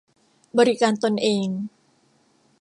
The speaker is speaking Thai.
บริการตนเอง